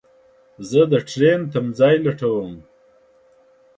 زه دټرين تم ځای لټوم